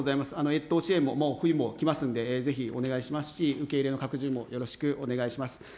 越冬支援も、もう冬も来ますので、ぜひお願いしますし、受け入れの拡充もよろしくお願いします。